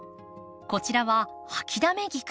こちらはハキダメギク。